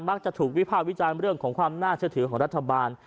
จะถูกวิภาควิจารณ์เรื่องของความน่าเชื่อถือของรัฐบาล